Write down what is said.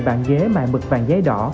bàn ghế mài mực vàng giấy đỏ